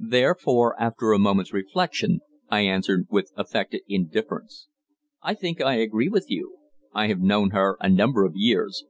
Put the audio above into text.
Therefore, after a moment's reflection, I answered with affected indifference: "I think I agree with you. I have known her a number of years.